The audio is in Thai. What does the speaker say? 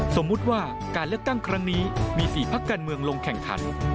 สมมุติว่าการเลือกตั้งครั้งนี้มี๔พักการเมืองลงแข่งขัน